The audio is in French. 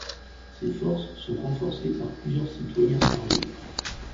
Ces forces sont renforcées par plusieurs citoyens armés.